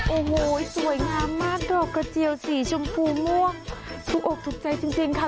โอ้โหสวยงามมากดอกกระเจียวสีชมพูม่วงถูกอกถูกใจจริงค่ะ